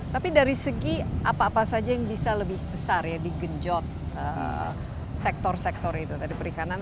tapi dari segi apa apa saja yang bisa lebih besar ya digenjot sektor sektor itu tadi perikanan